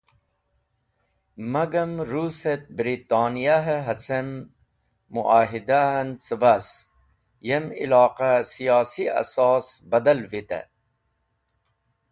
Magam Russ et Britoniyah hacem Muahidahen cẽbas yem iloqahe Siyasi asas badal vitey.